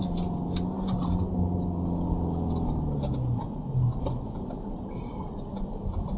กราวรูป